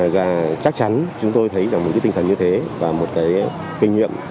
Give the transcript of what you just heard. và chắc chắn chúng tôi thấy là một cái tinh thần như thế và một cái kinh nghiệm